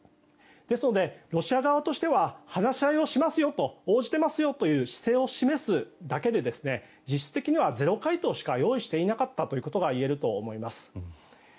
ですので、ロシア側としては話し合いをしますよと応じてますよという姿勢を示すだけで実質的にはゼロ回答しか用意していなかったということが言えると思います。